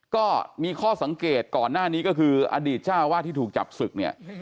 ก็มีข้อสังเกตก่อนหน้านี้ก็คืออดีตเจ้าวาดที่ถูกจับศึกเนี่ย